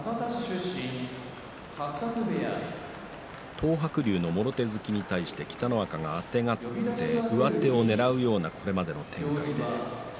東白龍のもろ手突きに対して北の若あてがって上手をねらうようなこれまでの展開。